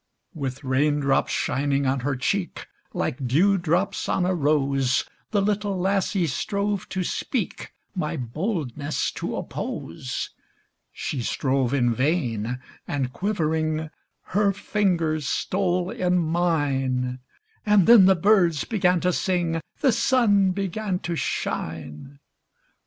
With rain drops shining on her cheek, Like dew drops on a rose, The little lassie strove to speak My boldness to oppose; She strove in vain, and quivering Her fingers stole in mine; And then the birds began to sing, The sun began to shine.